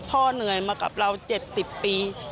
เหนื่อยมากับเรา๗๐ปี